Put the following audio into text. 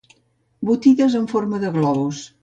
Botides en forma de globus.